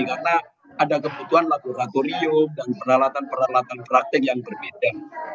karena ada kebutuhan laboratorium dan peralatan peralatan praktik yang berbeda